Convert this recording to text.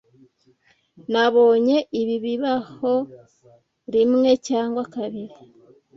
Nabonye ibi bibaho rimwe cyangwa kabiri.